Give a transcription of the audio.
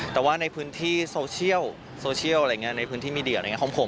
แต่ว่าในพื้นที่โซเชียลในพื้นที่มีเดียของผม